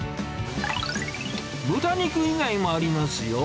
豚肉以外もありますよ。